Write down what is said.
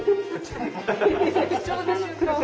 貴重な瞬間を。